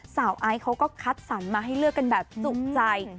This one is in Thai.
ไอซ์เขาก็คัดสรรมาให้เลือกกันแบบจุใจ